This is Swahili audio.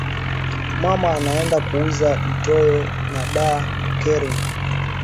Mama anaenda kuuza bitoyo na da carine